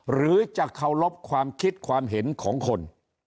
หรือจะเคารพความคิดความเห็นของคน